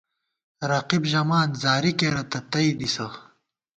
رقیب ژَمان زاری کېرہ تہ تئ دِسہ